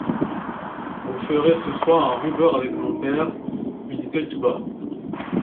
Vous ferez ce soir un rubber avec mon père, lui dit-elle tout bas.